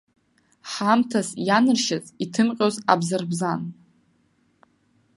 Ҳамҭас ианаршьаз иҭымҟьоз абзарбзан.